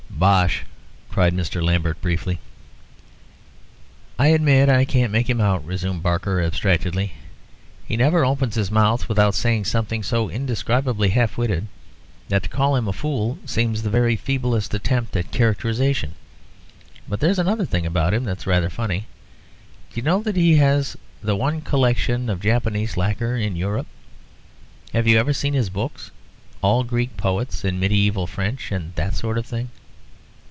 "Bosh!" cried Mr. Lambert, briefly. "I admit I can't make him out," resumed Barker, abstractedly; "he never opens his mouth without saying something so indescribably half witted that to call him a fool seems the very feeblest attempt at characterisation. But there's another thing about him that's rather funny. Do you know that he has the one collection of Japanese lacquer in Europe? Have you ever seen his books? All Greek poets and mediæval French and that sort of thing.